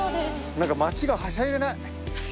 何か街がはしゃいでない。